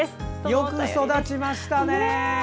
よく育ちましたね。